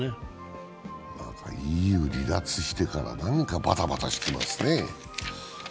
ＥＵを離脱してたら何かバタバタしてますね。